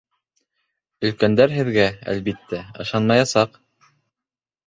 Өлкәндәр һеҙгә, әлбиттә, ышанмаясаҡ.